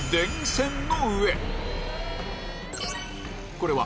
これは